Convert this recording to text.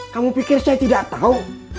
kamu pikir saya tidak tahu